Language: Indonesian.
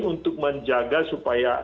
untuk menjaga supaya